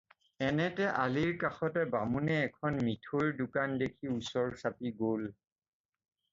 এনেতে আলিৰ কাষতে বামুণে এখন মিঠৈৰ দোকান দেখি ওচৰ চাপি গ'ল।